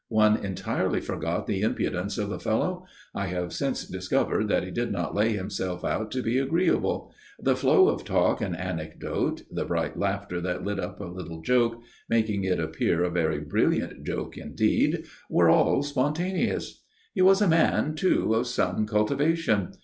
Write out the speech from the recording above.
One entirely forgot the impudence of the fellow. I have since discovered that he did not lay himself out to be agreeable. The flow of talk and anecdote, the bright laughter that lit up a little joke, making it appear a very brilliant joke indeed, were all spontaneous. He was a man, too, of some cultivation.